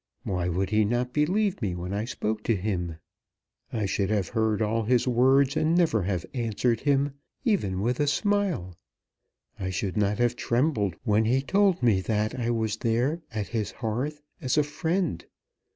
Why would he not believe me when I spoke to him? I should have heard all his words and never have answered him even with a smile. I should not have trembled when he told me that I was there, at his hearth, as a friend.